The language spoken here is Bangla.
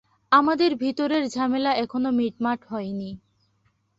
আমাদের ভেতরের ঝামেলা এখনো মিটমাট হয়নি।